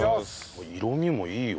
色味もいいよ。